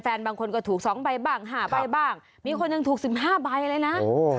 บางคนก็ถูก๒ใบบ้าง๕ใบบ้างมีคนหนึ่งถูก๑๕ใบเลยนะ